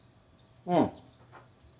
うん。